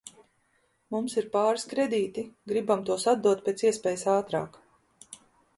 Mums ir pāris kredīti, gribam tos atdot pēc iespējas ātrāk